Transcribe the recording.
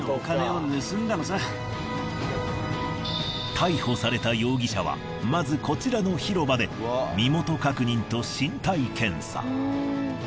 逮捕された容疑者はまずこちらの広場で身元確認と身体検査。